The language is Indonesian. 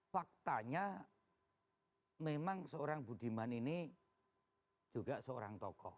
faktanya memang seorang budiman ini juga seorang tokoh